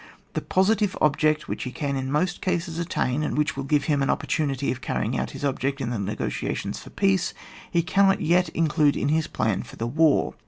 The positive object which he can in most cases attain, and which will give him an oppor tunity of carrying out his object in the negotiations for peace, he cannot yet in clude in his plan for the war.